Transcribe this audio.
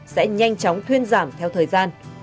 sẽ nhanh chóng thuyên giảm theo thời gian